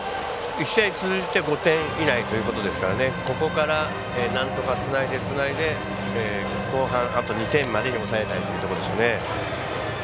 １試合通じて５点以内ということですからここから、なんとかつないでつないで後半、あと２点までに抑えたいというところでしょうね。